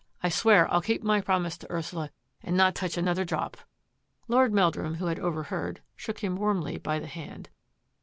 I swear I'll keep my promise to Ursula and not touch another drop." Lord Meldnim, who had overheard, shook him warmly by the hand.